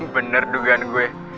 bener dugaan gue